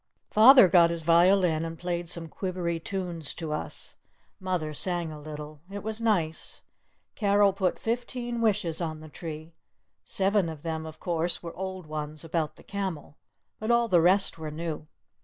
Father got his violin and played some quivery tunes to us. Mother sang a little. It was nice. Carol put fifteen "wishes" on the tree. Seven of them, of course, were old ones about the camel. But all the rest were new.